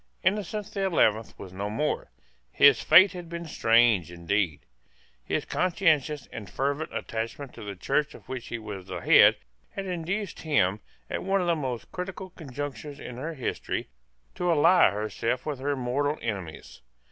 Innocent the Eleventh was no more. His fate had been strange indeed. His conscientious and fervent attachment to the Church of which he was the head had induced him, at one of the most critical conjunctures in her history, to ally herself with her mortal enemies.